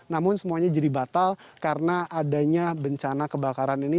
namun semuanya jadi batal karena adanya bencana kebakaran ini